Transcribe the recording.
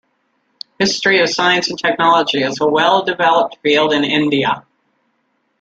History of science and technology is a well developed field in India.